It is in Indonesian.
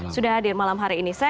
sudah hadir malam hari ini